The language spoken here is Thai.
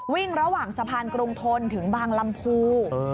วิ่งระหว่างสะพานกรุงทนถึงบางลำพู